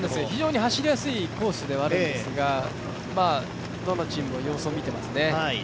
非常に走りやすいコースではあるんですがどのチームも様子を見ていますね。